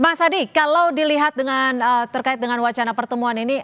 bang sandi kalau dilihat terkait dengan wacana pertemuan ini